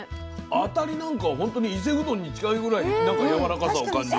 あたりなんかはほんとに伊勢うどんに近いぐらい何かやわらかさを感じる。